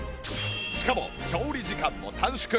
しかも調理時間も短縮！